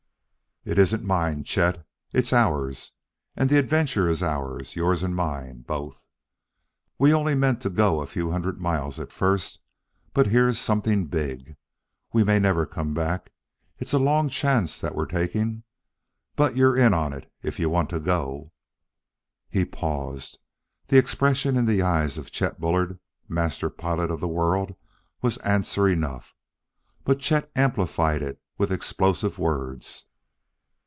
"It isn't mine, Chet; it's ours. And the adventure is ours; yours and mine, both. We only meant to go a few hundred miles at first, but here's something big. We may never come back it's a long chance that we're taking but you're in on it, if you want to go...." He paused. The expression in the eyes of Chet Bullard, master pilot of the world, was answer enough. But Chet amplified it with explosive words.